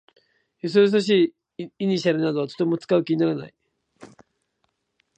よそよそしい頭文字などはとても使う気にならない。